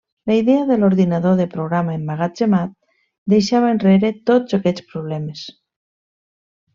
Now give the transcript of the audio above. La idea de l'ordinador de programa emmagatzemat deixava enrere tots aquests problemes.